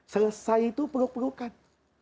selesai itu peluk pelukan